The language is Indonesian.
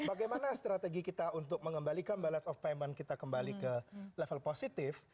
bagaimana strategi kita untuk mengembalikan balance of payment kita kembali ke level positif